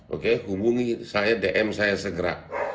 oke hubungi saya dm saya segera